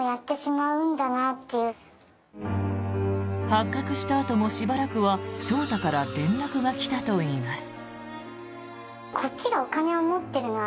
発覚したあともしばらくは翔太から連絡が来たといいます。